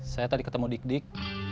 saya tadi ketemu dik dik